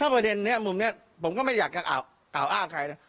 พอเด็นนี่มุมเนี่ยผมก็ไม่อยากอ่าวอ้างใครนะ